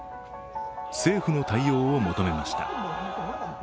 政府の対応を求めました。